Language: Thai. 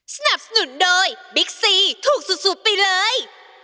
สนับสนุนโดยบิ๊กซีถูกสุดไปเลย